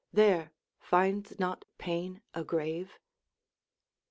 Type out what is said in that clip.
there, finds not pain a grave?